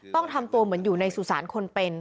ต้องทำตัวเหมือนอยู่ในสุสานคนเป็น